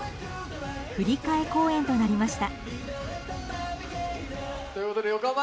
振り替え公演となりました。